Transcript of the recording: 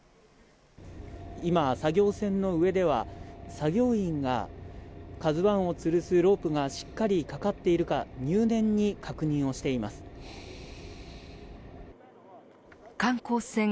今、作業船の上では作業員がＫＡＺＵ１をつるすロープがしっかりかかっているか観光船